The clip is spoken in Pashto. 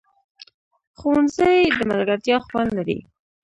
ښوونځی د ملګرتیا خوند لري